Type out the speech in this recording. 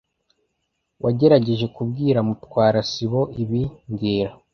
Wagerageje kubwira Mutwara sibo ibi mbwira